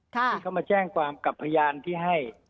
ที่เขามาแจ้งความกับพยานที่ให้